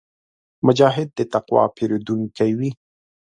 مجاهد د تقوا پېرودونکی وي.